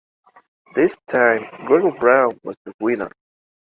This time, Gregor Braun was the winner.